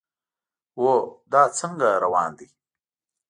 هو، دا څنګه روان دی؟